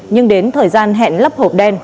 nhưng đến thời gian hẹn lắp hộp đen